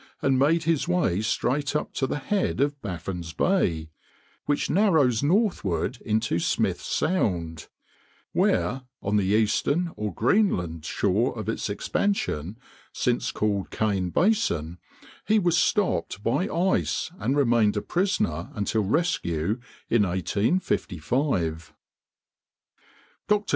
and made his way straight up to the head of Baffin's Bay, which narrows northward into Smith Sound, where, on the eastern, or Greenland, shore of its expansion, since called Kane Basin, he was stopped by ice and remained a prisoner until rescued in 1855. Dr.